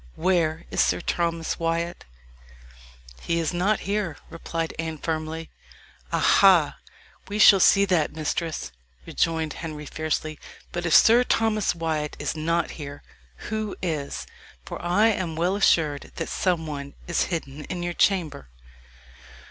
Where is Sir Thomas Wyat?" "He is not here," replied Anne firmly. "Aha! we shall see that, mistress," rejoined Henry fiercely. "But if Sir Thomas Wyat is not here, who is? for I am well assured that some one is hidden in your chamber."